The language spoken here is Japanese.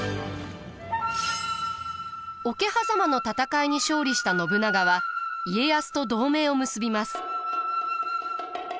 桶狭間の戦いに勝利した信長は家康と同盟を結びます。